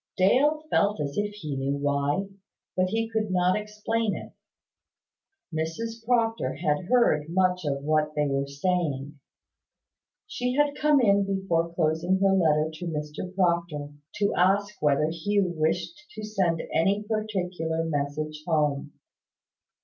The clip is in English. Dale felt as if he knew why; but he could not explain it. Mrs Proctor had heard much of what they were saying. She had come in before closing her letter to Mr Proctor, to ask whether Hugh wished to send any particular message home.